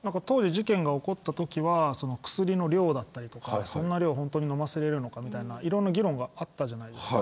事件が起こったときは薬の量だったりそんな量を本当に飲ませられるのかみたいないろんな議論があったじゃないですか。